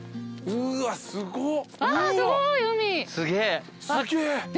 うわすごい！